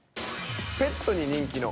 「ペットに人気の」